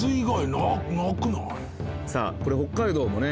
さあこれ北海道もね